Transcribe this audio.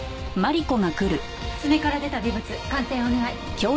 爪から出た微物鑑定お願い。